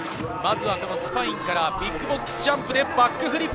スパインからビッグボックスジャンプでバックフリップ。